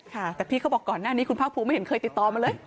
ค่ะแต่พี่เขาบอกก่อนหน้านี้คุณภาคภูมิไม่เห็นเคยติดต่อมาเลย